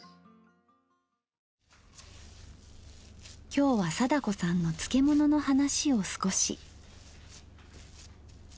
今日は貞子さんの漬物の話を少し。